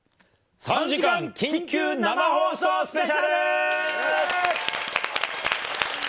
３時間緊急生放送スペシャル。